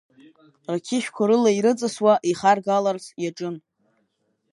Рқьышәқәа рыла ирыҵасуа ихаргаларц иаҿын.